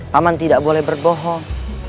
paman tidak boleh berbohong